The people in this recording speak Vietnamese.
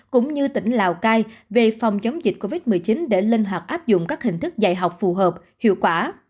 cũng như tỉnh lào cai về phòng chống dịch covid một mươi chín để linh hoạt áp dụng các hình thức dạy học phù hợp hiệu quả